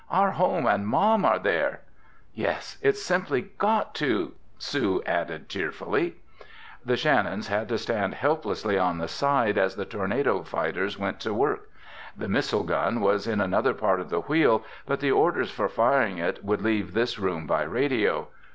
"Our home and Mom are there!" "Yes, it's simply got to!" Sue added tearfully. The Shannons had to stand helplessly on the side as the tornado fighters went to work. The missile gun was in another part of the Wheel, but the orders for firing it would leave this room by radio.